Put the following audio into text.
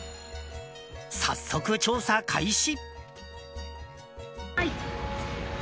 早速、調査開始。